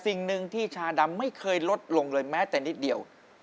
สิ่งหนึ่งที่ชาดำไม่เคยลดลงเลยแม้แต่นิดเดียว